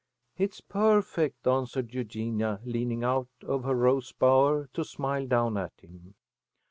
"It's perfect," answered Eugenia, leaning out of her rose bower to smile down at him.